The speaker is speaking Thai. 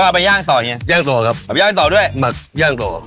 เป็นต่อด้วย